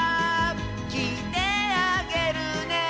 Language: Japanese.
「きいてあげるね」